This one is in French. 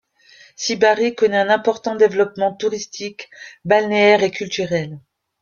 Sibari connaît un important développement touristique balnéaire et culturel.